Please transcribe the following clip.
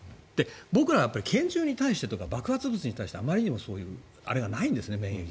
僕らは拳銃に対してとか爆発物に対してあまりにも免疫がないんですね。